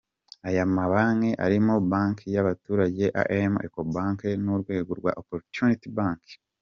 Ayo mabanki arimo Banki y’abaturage, I &M, Ecobank, n’Urwego Opportunity Bank.